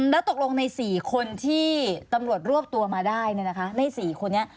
แล้วตกลงใน๔คนที่ตำรวจรวบตัวมาได้ใน๔คนนี้